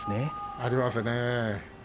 ありますね。